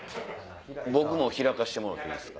僕も開かしてもろていいですか。